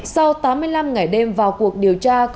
sau tám mươi năm ngày đêm vào cuộc điều tra